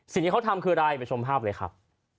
สิ่งที่เขาทำคืออะไรไปชมภาพเลยครับ